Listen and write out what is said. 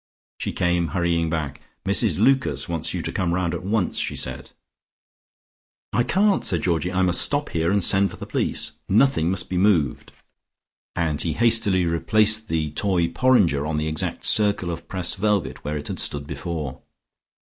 She came hurrying back. "Mrs Lucas wants you to come around at once," she said. "I can't," said Georgie. "I must stop here and send for the police. Nothing must be moved," and he hastily replaced the toy porringer on the exact circle of pressed velvet where it had stood before.